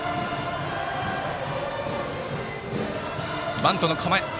バントの構え。